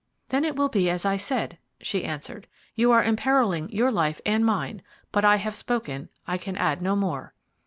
"Then it will be as I said," she answered. "You are imperilling your life and mine, but I have spoken I can add no more."